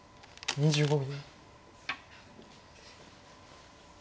２５秒。